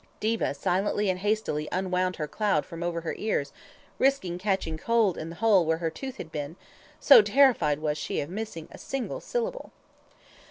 Diva silently and hastily unwound her cloud from over her ears, risking catching cold in the hole where her tooth had been, so terrified was she of missing a single syllable.